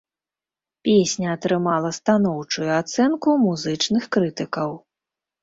Песня атрымала станоўчую ацэнку музычных крытыкаў.